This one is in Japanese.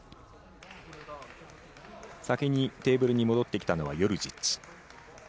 先にテーブルに戻ってきたのはヨルジッチ。